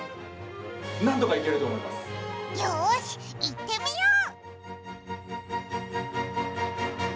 よーし、いってみよう！